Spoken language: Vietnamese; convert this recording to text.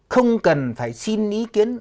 không cần phải xin ý kiến